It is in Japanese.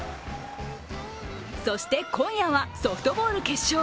そして今夜はソフトボール決勝。